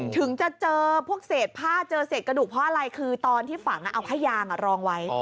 ถึงจะเจอพวกเศษผ้าเจอเศษกระดูกเพราะอะไรคือตอนที่ฝังเอาผ้ายางรองไว้